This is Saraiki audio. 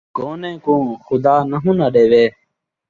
گونیں کوں خدا نہوں ناں ݙیوے